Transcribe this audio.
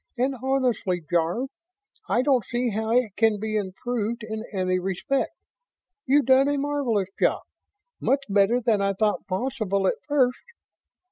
And honestly, Jarve, I don't see how it can be improved in any respect. You've done a marvelous job. Much better than I thought possible at first."